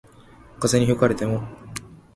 風に吹かれても